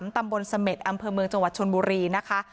ตำบลเสม็ดอำเภอเมืองจังหวัดชนบุรีนะคะ